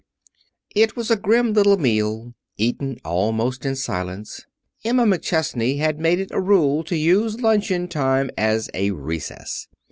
It was a grim little meal, eaten almost in silence. Emma McChesney had made it a rule to use luncheon time as a recess.